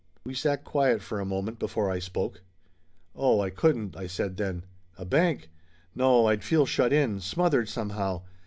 We sat quiet for a moment before I spoke. "Oh, I couldn't!" I said then. "A bank! No, I'd feel shut in smothered, somehow.